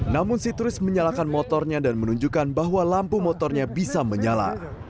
namun si turis menyalakan motornya dan menunjukkan bahwa lampu motornya bisa menyala